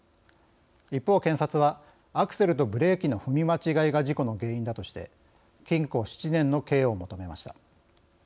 一方、検察はアクセルとブレーキの踏み間違いが事故の原因だとして禁錮７年の刑を求めました。